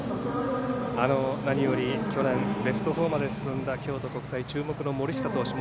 何より去年ベスト４まで進んだ京都国際、注目の森下投手。